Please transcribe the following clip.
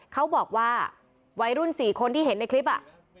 เขาบอกว่าวัยรุ่น๔คนที่เห็นในคลิป